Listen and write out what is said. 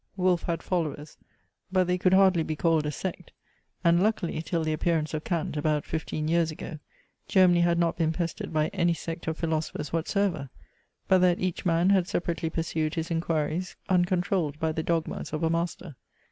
Wolfe had followers; but they could hardly be called a sect, and luckily till the appearance of Kant, about fifteen years ago, Germany had not been pestered by any sect of philosophers whatsoever; but that each man had separately pursued his inquiries uncontrolled by the dogmas of a master.